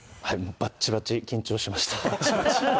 バッチバチ緊張しました。